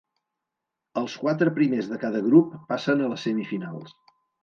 Els quatre primers de cada grup passen a les semifinals.